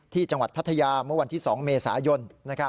จังหวัดพัทยาเมื่อวันที่๒เมษายน